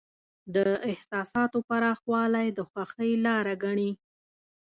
د احساساتو پراخوالی د خوښۍ لاره ګڼي.